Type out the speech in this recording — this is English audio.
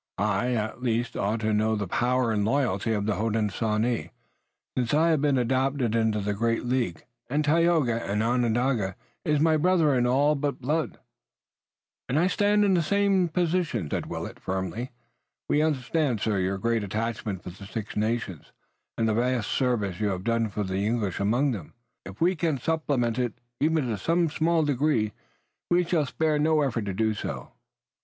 "I at least ought to know the power and loyalty of the Hodenosaunee, since I have been adopted into the great League and Tayoga, an Onondaga, is my brother, in all but blood." "And I stand in the same position," said Willet firmly. "We understand, sir, your great attachment for the Six Nations, and the vast service you have done for the English among them. If we can supplement it even in some small degree we shall spare no effort to do so."